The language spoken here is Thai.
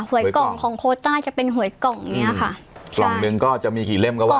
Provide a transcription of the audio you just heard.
หวยกล่องหวยกล่องของโคต้าจะเป็นหวยกล่องอย่างเนี้ยค่ะใช่กล่องหนึ่งก็จะมีกี่เล่มเขาว่าไป